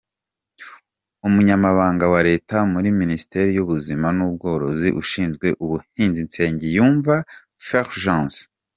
Umunyamabanga wa Leta muri Minisiteri y’Ubuhinzi n’Ubworozi ushinzwe ubuhinzi : Nsengiyumva Fulgence